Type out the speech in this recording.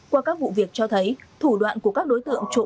qua các vụ việc cho thấy thủ đoạn của các đối tượng trộm